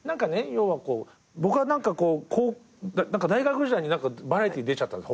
要は僕は大学時代にバラエティーに出ちゃったんですよ。